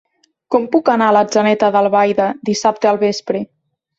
Com puc anar a Atzeneta d'Albaida dissabte al vespre?